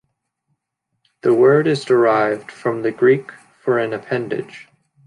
The word is derived from the Greek for an appendage.